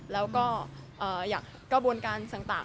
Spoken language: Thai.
แล้วก็อยากกระบวนการต่าง